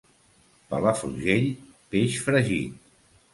Palafrugell, peix fregit.